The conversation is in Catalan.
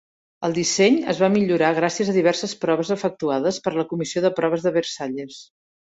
El disseny es va millorar gràcies a diverses proves efectuades per la Comissió de Proves de Versalles.